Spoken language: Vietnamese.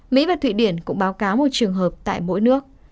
mỹ và thụy điển cũng báo cáo một trường hợp tại mỗi nước